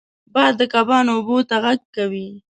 باد د کبانو اوبو ته غږ کوي